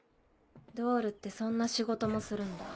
ドールってそんな仕事もするんだ。